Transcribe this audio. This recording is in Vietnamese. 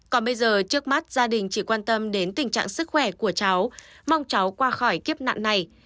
còn bây giờ trước mắt gia đình chỉ quan tâm đến tình trạng sức khỏe của cháu mong cháu qua khỏi kiếp nạn này